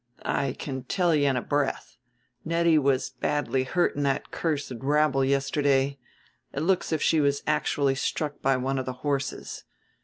"I can tell you in a breath Nettie was badly hurt in that cursed rabble yesterday. It looks as if she was actually struck by one of the horses.